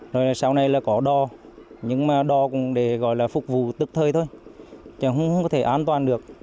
rồi sau này là có đo nhưng mà đo cũng để gọi là phục vụ tức thơi thôi chẳng có thể an toàn được